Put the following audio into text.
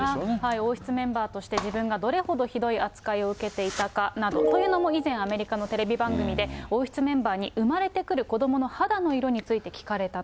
王室メンバーとして自分がどれほどひどい扱いを受けていたかなど、というのも、以前、アメリカのテレビ番組で、王室メンバーに生まれてくる子供の肌の色について聞かれたと。